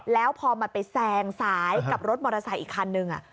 แล้วพอมันไปแซงซ้ายกับรถมอเตอร์ไซค์อีกคันนึง